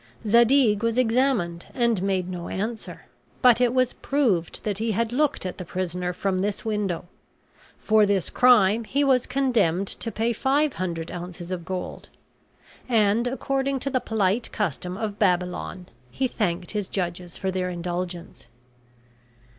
Zadig was examined and made no answer. But it was proved that he had looked at the prisoner from this window. For this crime he was condemned to pay five hundred ounces of gold; and, according to the polite custom of Babylon, he thanked his judges for their indulgence.